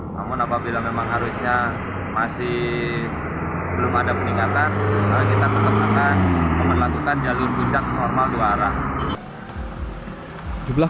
namun apabila memang arusnya masih belum ada peningkatan kita tetap akan memperlakukan jalur puncak normal dua arah